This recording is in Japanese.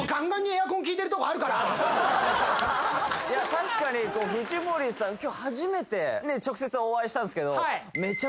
確かに藤森さん今日初めて直接お会いしたんですけどやめてよ